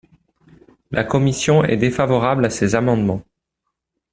La commission est défavorable à ces amendements.